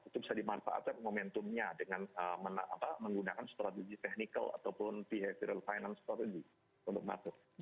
itu bisa dimanfaatkan momentumnya dengan menggunakan strategi technical ataupun behavioral finance strategi untuk masuk